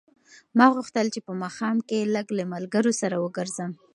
ما غوښتل چې په ماښام کې لږ له ملګرو سره وګرځم.